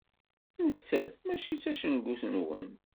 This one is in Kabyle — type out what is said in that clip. Nettat mačči d tacengut-nwen.